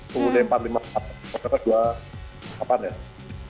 kemudian empat ratus lima puluh empat maksudnya ke dua ke empat ya